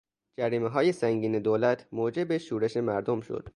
جریمههای سنگین دولت موجب شورش مردم شد.